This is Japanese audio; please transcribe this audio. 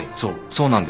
そうなんです。